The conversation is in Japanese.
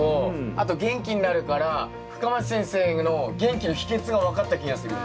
あと元気になるから深町先生の元気の秘けつが分かった気がするよね。